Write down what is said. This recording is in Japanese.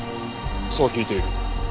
そう聞いている。